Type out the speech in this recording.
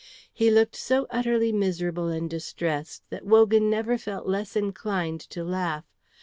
He looked so utterly miserable and distressed that Wogan never felt less inclined to laugh.